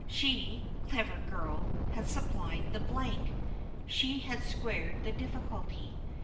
She, clever girl! had supplied the blank; she had squared the difficulty.